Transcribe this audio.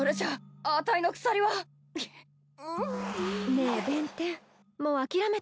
ねえ弁天もう諦めたら？